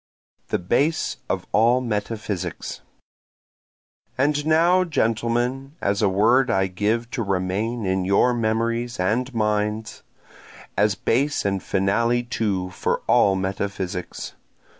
The Base of All Metaphysics And now gentlemen, A word I give to remain in your memories and minds, As base and finale too for all metaphysics.